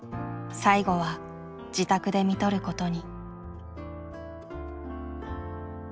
最期は自宅でみとることに。